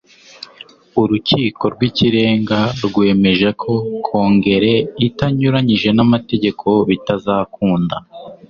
Urukiko rw'Ikirenga rwemeje ko Kongere itanyuranyije n’amategeko bitazakunda